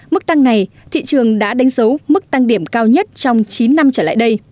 mức tăng này thị trường đã đánh dấu mức tăng điểm cao nhất trong chín năm trở lại đây